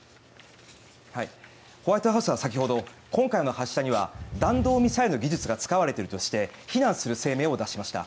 ホワイトハウスは先ほど今回の発射には弾道ミサイルの技術が使われているとして非難する声明を出しました。